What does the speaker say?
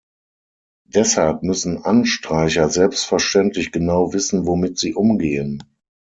Deshalb müssen Anstreicher selbstverständlich genau wissen, womit sie umgehen.